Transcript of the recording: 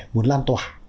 muốn lan tỏa